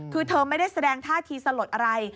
คือเธอไม่ได้แสดงท่าทีสลดอะไร